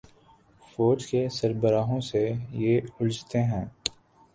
فوج کے سربراہوں سے یہ الجھتے گئے۔